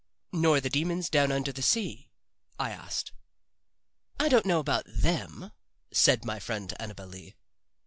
"Nor the demons down under the sea?" I asked. "I don't know about them," said my friend Annabel Lee.